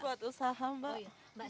buat usaha mbak